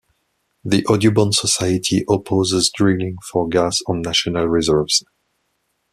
The Audubon society opposes drilling for gas on national reserves.